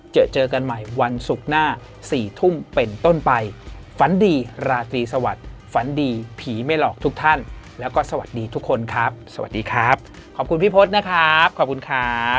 เจอเจอกันใหม่วันศุกร์หน้า๔ทุ่มเป็นต้นไปฝันดีราตรีสวัสดิ์ฝันดีผีไม่หลอกทุกท่านแล้วก็สวัสดีทุกคนครับสวัสดีครับขอบคุณพี่พศนะครับขอบคุณครับ